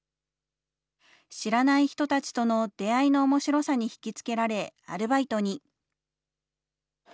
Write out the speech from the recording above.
知らない人たちとの出会いのおもしろさに引き付けられ、アルバイトに。